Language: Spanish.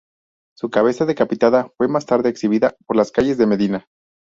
Su cabeza decapitada fue más tarde exhibida por las calles de Medina.